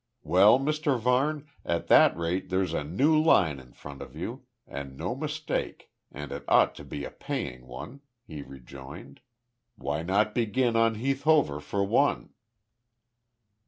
"Well, Mr Varne, at that rate there's a new line in front of you, and no mistake, and it ought to be a paying one," he rejoined. "Why not begin on Heath Hover for one?"